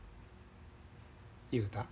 雄太